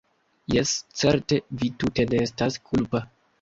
jes, certe, vi tute ne estas kulpa.